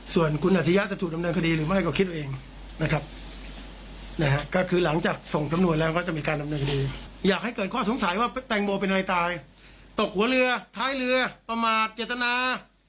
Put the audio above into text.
สงสัยว่าแต่งโมเป็นอะไรตายตกหัวเรือท้ายเรือประมาทเจตนา